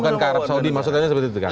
bukan ke arab saudi maksudnya seperti itu kan